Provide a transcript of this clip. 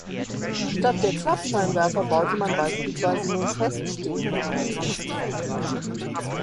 Statt der Klappscheinwerfer baute man beispielsweise nun feststehende ein.